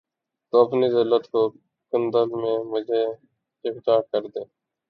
تو اپنی زلف کے کنڈل میں مجھے یکجا کر دے